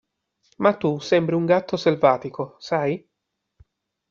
Ma tu sembri un gatto selvatico, sai?